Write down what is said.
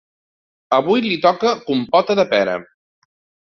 Avui li toca compota de pera.